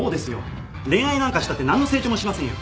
恋愛なんかしたって何の成長もしませんよ。